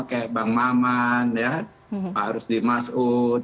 kayak bang mohamad ya pak arusli masud